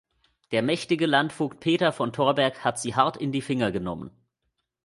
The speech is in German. Der mächtige Landvogt Peter von Thorberg hat sie hart in die Finger genommen.